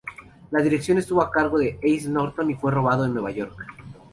La dirección estuvo a cargo de Ace Norton y fue rodado en Nueva York.